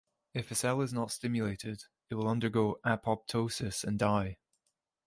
If a cell is not stimulated, it will undergo apoptosis and die.